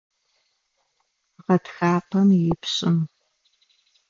Гъэтхапэм ипшӏым.